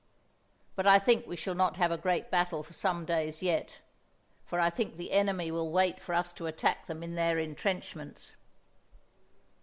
But I think we shall not have a great battle for some days yet, for I think the enemy will wait for us to attack them in their intrenchments.